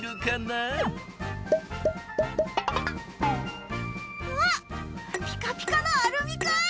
あっピカピカのアルミ缶！